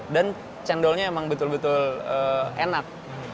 dan cendolnya emang betul betul enak